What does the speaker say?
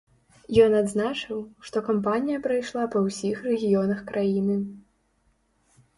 Ён адзначыў, што кампанія прайшла па ўсіх рэгіёнах краіны.